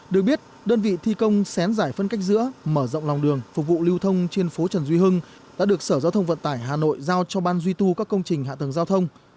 được biết đơn vị thi công xén giải phân cách giữa mở rộng lòng đường phục vụ lưu thông trên phố trần duy hưng đã được sở giao thông vận tải hà nội giao cho ban duy tu các công trình hạ tầng giao thông